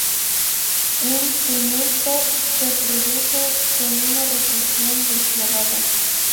Un tumulto se produjo con una represión despiadada.